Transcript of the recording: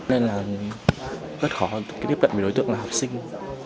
nên là rất khó tiếp cận với đối tượng là học sinh